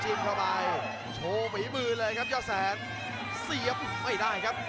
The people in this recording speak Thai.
ยำเข้ามาอีกทีครับยำไม่หลดครับ